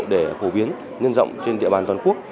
để phổ biến nhân rộng trên địa bàn toàn quốc